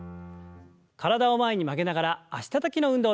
体を前に曲げながら脚たたきの運動です。